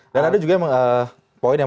dan ada juga poin yang